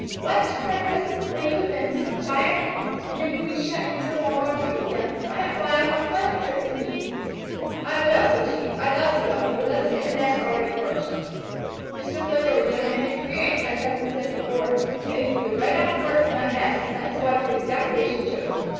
"What?" cried her husband. "When you have been so tired? And then you will be shut in so long while brooding them. Why not fly off on a pleasure trip with me?" "I will," said she. "I'd love to go. But let us get the nest all ready first." Mr. Flicker was young and inexperienced, as has been said before, yet he flew right off to work on that nest and let his wife do exactly as she chose.